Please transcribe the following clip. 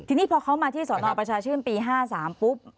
ทีนี้พอเขามาที่สนประชาชื่นปี๕๓ปุ๊บ